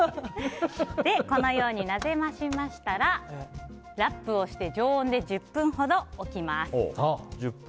このように、なじませましたらラップをして常温で１０分ほど置きます。